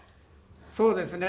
「そうですね」